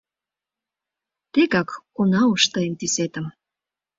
Тегак она уж тыйын тӱсетым